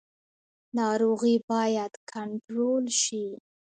ناروغي باید کنټرول شي